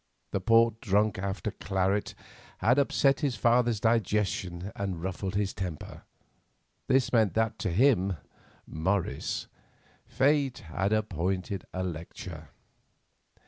The port drunk after claret had upset his father's digestion and ruffled his temper. This meant that to him—Morris—Fate had appointed a lecture.